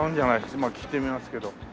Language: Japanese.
まあ聞いてみますけど。